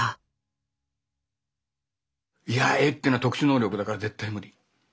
いやあ絵っていうのは特殊能力だから絶対無理。